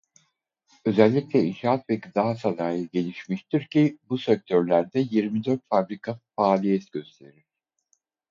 Özellikle inşaat ve gıda sanayi gelişmiştir ki bu sektörlerde yirmi dört fabrika faaliyet gösterir.